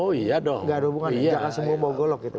oh iya dong gak ada hubungan dengan jaka sembombo golok gitu